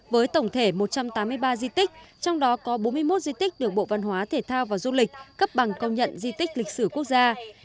với tổng thể một trăm tám mươi ba di tích trong đó có bốn mươi một di tích được bộ văn hóa thể thao và du lịch cấp bằng công nhận di tích lịch sử quốc gia